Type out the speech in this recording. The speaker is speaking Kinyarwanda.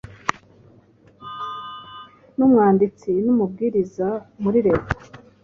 numwanditsi wUmubwirizamuri reta